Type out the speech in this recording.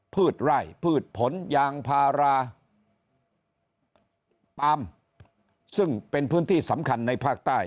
พืชไร่พืชผลยางพาราปาล์มซึ่งเป็นพื้นที่สำคัญในภาคใต้